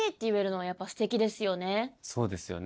そうですよね。